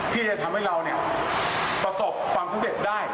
ที่จะทำให้เราประสบความสำเร็จได้